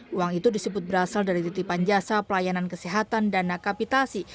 uang itu disebut berasal dari titipan jasa pelayanan kesehatan dana kapitasi